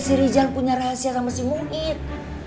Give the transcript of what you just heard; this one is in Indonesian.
si rizal punya rahasia sama si muhid